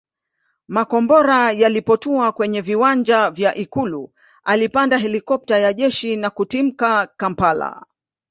Makombora yalipotua kwenye viwanja vya Ikulu alipanda helikopta ya jeshi na kutimkia Kampala